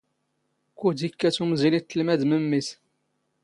ⴽⵓⴷ ⵉⴽⴽⴰⵜ ⵓⵎⵣⵉⵍ ⵉⵜⵜⵍⵎⴰⴷ ⵎⴻⵎⵎⵉⵙ